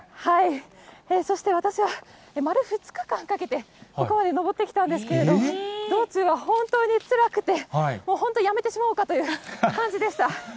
そして、私は丸２日間かけて、ここまで登ってきたんですけれども、道中は本当につらくて、もう本当、やめてしまおうかという感じでした。